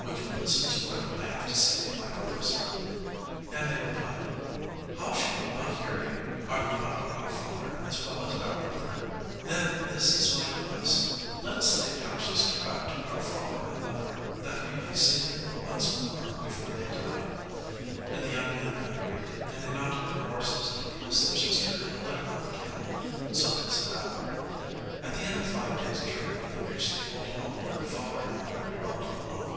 'Will you listen to what I have to say, my brothers?' And they replied, 'How should we not hear you? Are you not our father as well as our brother?' 'Then this is my advice. Let us take our sister back to our father and mother, that we may see them once more before they die.' And the young men agreed, and they mounted their horses and placed their sister in a litter on the camel. So they set out. At the end of five days' journey they reached the old home where their father and mother dwelt alone.